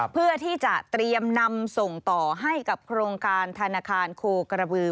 เพื่อที่จะเตรียมนำส่งต่อให้กับโครงการธนาคารโคกระบือ